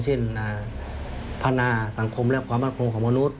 เช่นพันธุ์นาสังคมและความบันทึกของมนุษย์